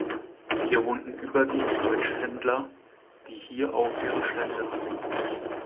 Hier wohnten überwiegend deutsche Händler, die hier auch ihre Stände hatten.